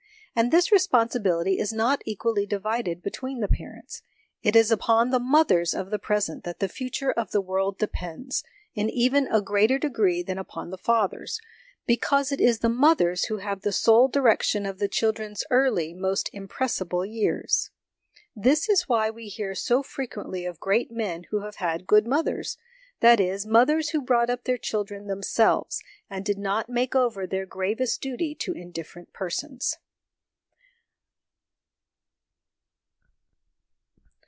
And this responsi bility is not equally divided between the parents : it is upon the mothers of the present that the future of the world depends, in even a greater degree than upon the fathers, because it is the mothers who have the sole direction of the children's early, most impressible years. This is why we hear so frequently of great men who have had good mothers that is, mothers who brought up their children themselves, and did not make over their gravest duty to indifferent persons.